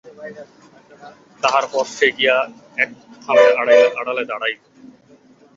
তাহার পর সে গিয়া এক থামের আড়ালে দাঁড়াইল।